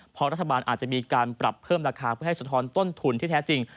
เพราะรัฐบาลอาจจะมีการปรับเพิ่มราคาเพื่อให้สะท้อนต้นทุนที่แท้จริง